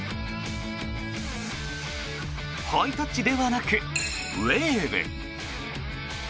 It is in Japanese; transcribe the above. ハイタッチではなくウェーブ。